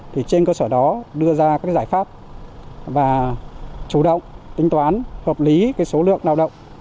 thì trên cơ sở đó đưa ra các giải pháp và chủ động tính toán hợp lý số lượng lao động